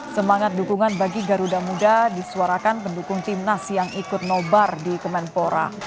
semangat dukungan bagi garuda muda disuarakan pendukung timnas yang ikut nobar di kemenpora